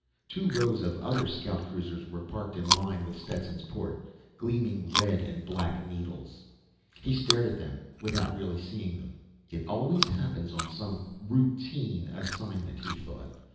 Two rows of other scout cruisers were parked in line with Stetson's port gleaming red and black needles. He stared at them without really seeing them. It always happens on some "routine" assignment, he thought.